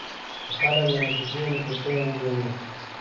که خلک د نتيجې له کړکيو وګوري.